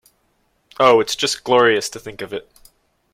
Oh, it’s just glorious to think of it.